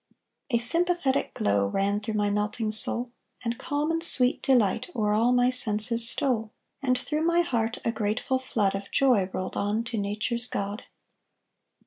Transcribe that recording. A sympathetic glow Ran through my melting soul, And calm and sweet delight O'er all my senses stole; And through my heart A grateful flood Of joy rolled on To Nature's God.